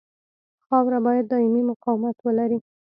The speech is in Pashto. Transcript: خاوره باید دایمي مقاومت ولري